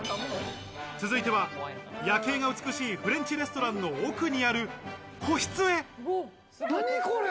続いては夜景が美しいフレンチレストランの奥にある個室へ。